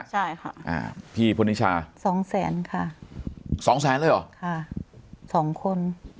ใช่ค่ะอ่าพี่พลนิชาสองแสนค่ะสองแสนเลยเหรอค่ะสองคน